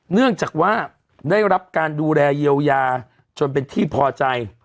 เนื่องจากว่าได้รับการดูแลเยียวยาจนเป็นที่พอใจ